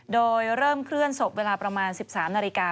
โดยเริ่มเคลื่อนศพเวลาประมาณ๑๓นาฬิกา